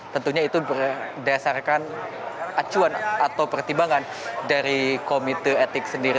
tentunya itu berdasarkan acuan atau pertimbangan dari komite etik sendiri